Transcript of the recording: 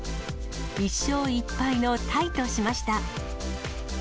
１勝１敗のタイとしました。